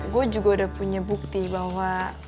gue juga udah punya bukti bahwa